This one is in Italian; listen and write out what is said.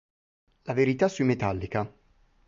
La verità sui Metallica".